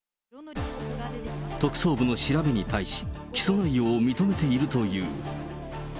特捜部の調べに対し、起訴内容を認めているという。